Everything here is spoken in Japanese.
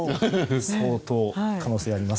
相当、可能性があります。